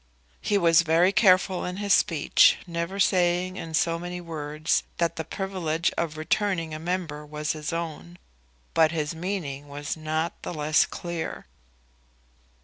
He was very careful in his speech, never saying in so many words that the privilege of returning a member was his own; but his meaning was not the less clear.